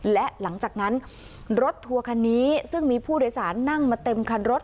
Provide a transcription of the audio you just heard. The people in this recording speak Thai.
และหลังจากนั้นรถทัวร์คันนี้ซึ่งมีผู้โดยสารนั่งมาเต็มคันรถ